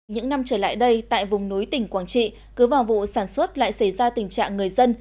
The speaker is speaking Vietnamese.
những năm trở lại đây tại vùng núi tỉnh quảng trị cứ vào vụ sản xuất lại xảy ra tình trạng người dân